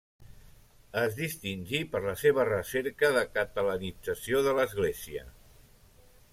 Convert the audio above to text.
Es distingí per la seva recerca de catalanització de l'església.